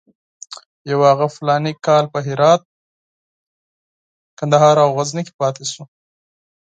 هغه یو فلاني کال په هرات، کندهار او غزني کې پاتې شو.